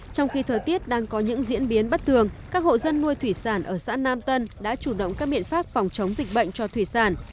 trong khi thời tiết đang có những diễn biến bất thường các hộ dân nuôi thủy sản ở xã nam tân đã chủ động các biện pháp phòng chống dịch bệnh cho thủy sản